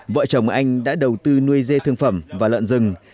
vợ chồng anh đã đầu tư nuôi dê thương phẩm và lợn rừng